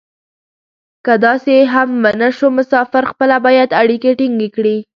که داسې هم و نه شو مسافر خپله باید اړیکې ټینګې کړي.